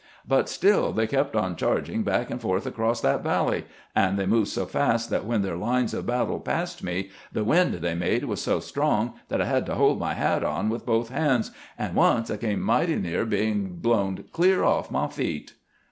But still they kept on charging back and forth across that valley, and they moved so fast that when their lines of battle passed me, the wind they made was so strong that I had to hold my hat on with both hands, and once I came mighty near being blown clear off my feet."